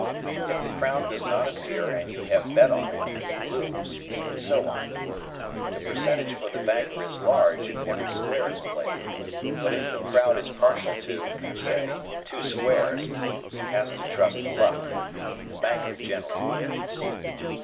If the crown does not appear and you have bet on it, you lose, and so on. The percentage for the banker is large if every square is played, but if the crowd is partial to, say, two squares, he has to trust to luck. The banker generally wins.